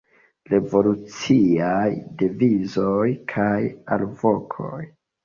Revoluciaj devizoj kaj alvokoj.